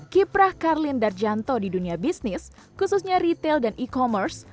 kiprah karlin darjanto di dunia bisnis khususnya retail dan e commerce